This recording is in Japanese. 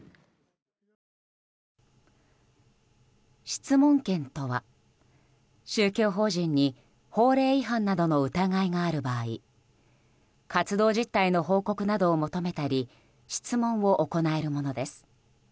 質問権とは宗教法人に法令違反などの疑いがある場合活動実態の報告などを求めたり質問を行えるものです。